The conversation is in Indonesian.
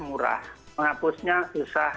murah menghapusnya susah